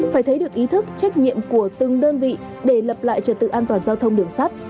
phải thấy được ý thức trách nhiệm của từng đơn vị để lập lại trật tự an toàn giao thông đường sắt